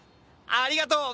ありがとう。